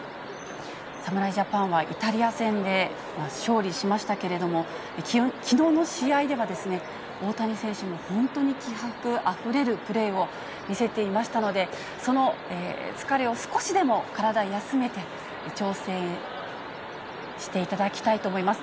侍ジャパンはイタリア戦で勝利しましたけれども、きのうの試合では、大谷選手も本当に気迫あふれるプレーを見せていましたので、その疲れを少しでも体休めて、調整していただきたいと思います。